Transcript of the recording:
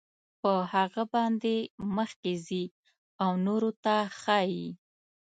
په هغه باندې مخکې ځي او نورو ته ښایي.